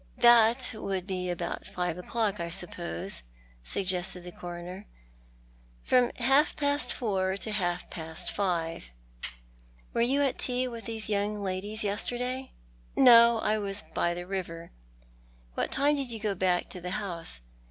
"That would be about five o'clock, I suppose?" suggested the Coroner. " From half past four to half past five." " Were you at tea with these young ladies yesterday ?"" No ; I was by the river." " What time did you go back to the house